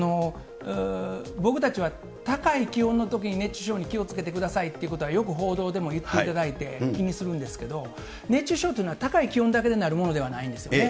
僕たちは高い気温のときに熱中症に気をつけてくださいということは、よく報道でも言っていただいて、気にするんですけど、熱中症というのは高い気温だけでなるものではないんですよね。